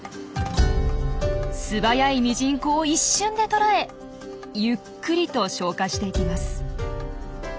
素早いミジンコを一瞬で捕らえゆっくりと消化していきます。